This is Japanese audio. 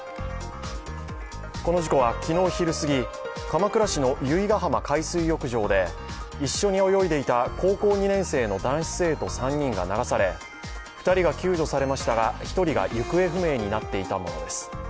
この事故は昨日昼すぎ、鎌倉市の由比ガ浜海水浴場で一緒に泳いでいた高校２年生の男子生徒３人が流され２人が救助されましたが、１人が行方不明になっていたものです。